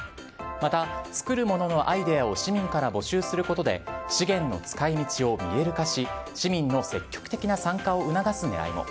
また作るもののアイデアを市民から募集することで資源の使い道を見える化し市民の積極的な参加を促す狙いも。